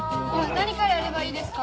何からやればいいですか？